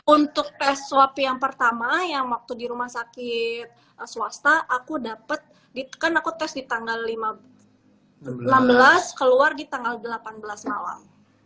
untuk tes swab yang pertama yang waktu di rumah sakit swasta aku dapat kan aku tes di tanggal enam belas keluar di tanggal delapan belas malam